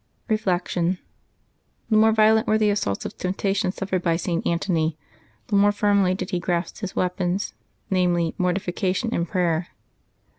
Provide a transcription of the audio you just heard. Reflection. — Tlie more violent were the assaults of temptation suffereil by St. Antony, the more firmly did he grasp his weapons, namel}', mortification and prayer.